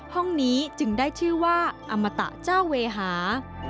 ห้องนี้จึงได้ชื่อว่าอมตะเจ้าเวหา